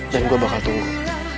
dan gue bakal tunggu